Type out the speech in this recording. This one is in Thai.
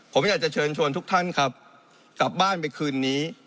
ผมอยากจะเชิญชวนทุกท่านครับกลับบ้านไปคืนนี้